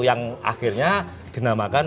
yang akhirnya dinamakan